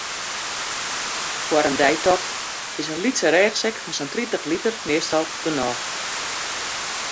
Foar in deitocht is in lytse rêchsek fan sa'n tritich liter meastal genôch.